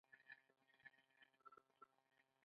زه تږي یم.